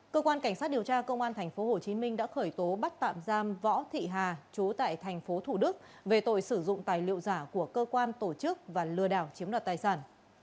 cơ quan cảnh sát điều tra công an tp hcm đã khởi tố bắt tạm giam võ thị hà chú tại tp thủ đức về tội sử dụng tài liệu giả của cơ quan tổ chức và lừa đảo chiếm đoạt tài sản